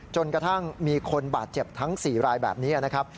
จนกระทั่งมีคนบาดเจ็บทั้ง๔รายแบบนี้นะครับ